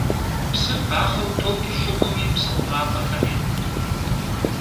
Psır baxheu toç' ş'ıgumi, psı xhumap'exemi.